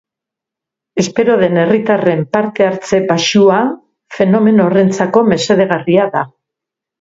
Espero den herritarren parte hartze baxuak fenomeno horrentzako mesedegarrua da.